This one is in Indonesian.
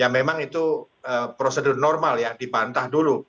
memang itu prosedur normal ya dipantah dulu